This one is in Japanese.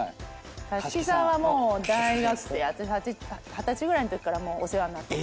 樫木さんはもう大学生私二十歳ぐらいのときからお世話になってて。